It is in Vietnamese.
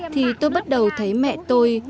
thì tôi bắt đầu thấy mẹ tôi